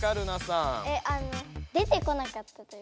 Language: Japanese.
出てこなかった。